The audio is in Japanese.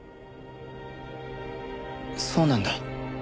そうなんだ。